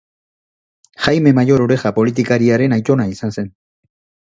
Jaime Mayor Oreja politikariaren aitona izan zen.